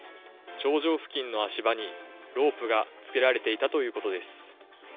頂上付近の足場にロープがつけられていたということです。